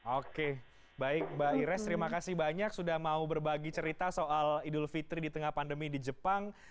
oke baik mbak ires terima kasih banyak sudah mau berbagi cerita soal idul fitri di tengah pandemi di jepang